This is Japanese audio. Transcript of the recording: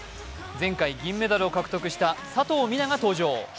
前回、銀メダルを獲得した佐藤水菜が登場。